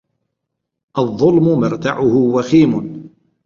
الظلم مرتعه وخيم